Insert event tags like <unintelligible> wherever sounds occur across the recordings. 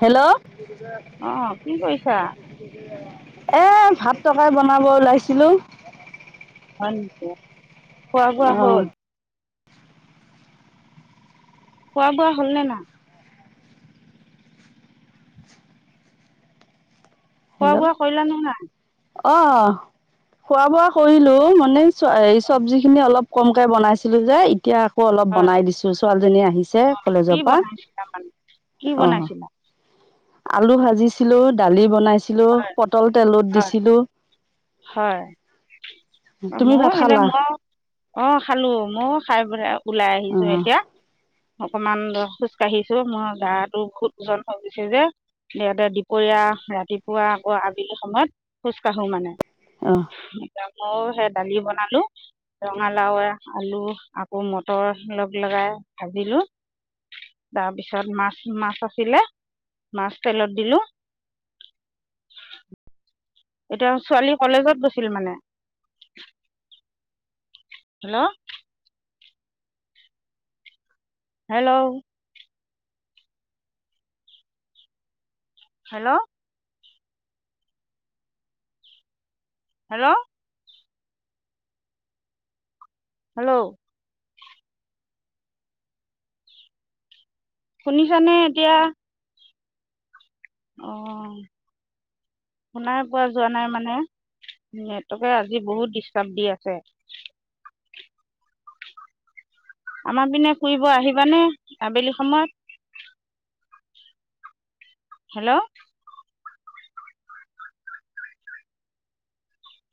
Hello. অ', কি কৰিছা? অ' ভাতটো অকল বনাব ওলাইছিলোঁ। <unintelligible> খোৱা, বোৱা অঁ হ'ল? খোৱা, বোৱা হ'ল নে না? খোৱা, বোৱা কৰিলা নে নাই? অ', খোৱা, বোৱা কৰিলো। <unintelligible> <unintelligible> এই চব্জি খিনি অলপ কমকে বনাইছিলো যে এতিয়া আকৌ অলপ হয়, বনাই দিছো ছোৱালীজনী আহিছে কি কলেজৰ বনাইছিলা মানে? কি পৰা অ বনাইছিলা? আলু ভাজিছিলো দালি বনাইছিল ছিলো হয়, পটল তেলত হয়, দিছিলো হয় তুমি ভাত মই সেইনে খালা মই অ খালো ময়ও খাই ওলাই আহিছো অঁ এতিয়া অকমান খোজকাঢ়িছো মই গাটো বহুত ওজন হৈ গৈছে যে ইয়াতে দুপৰীয়া ৰাতি খোৱা আকৌ আবেলি সময়ত খোজ কাঢ়ো মানে আহ ময়ো সেই দালি বনালো ৰঙালাও আলু আকৌ মটৰ লগ লগাই ভাজিলো তাৰপিছত মাছ মাছ আছিলে মাছ তেলত দিলো এতিয়া ছোৱালী কলেজত গৈছিল মানে hello hello hello hello hello শুনিছানে এতিয়া অ শুনাই পোৱা যোৱা নাই মানে নেটকে আজি বহুত ডিষ্টাৰ্ব দি আছে আমাৰ পিনে ফুৰিব আহিবানে আবেলি সময়ত hello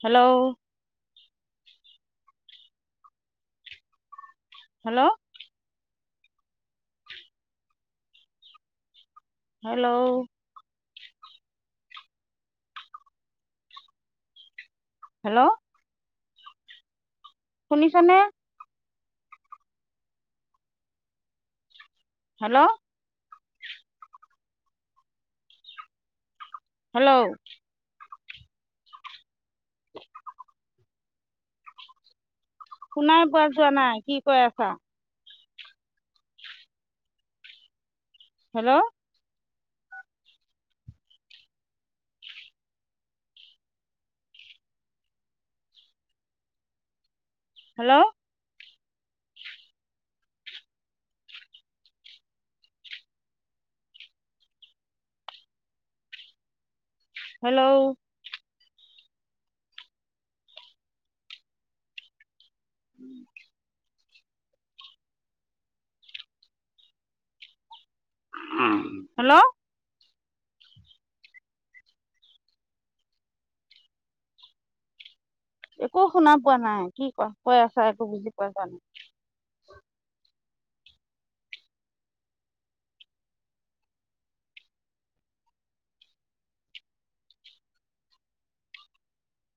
hello hello hello hello শুনিছানে হেল্ল' হেল্ল' শুনাই পোৱা যোৱা নাই কি কৈ আছা হেল্ল' হেল্ল' হেল্ল' উম হেল্ল' একো শুনা পোৱা নাই কি কোৱা কৈ আছা একো বুজি পোৱা পোৱা নাই